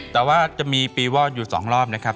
แต่ว่าจะมีปีวอดอยู่๒รอบนะครับ